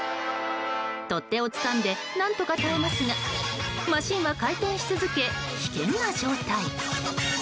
取っ手をつかんで何とか耐えますがマシンは回転し続け危険な状態。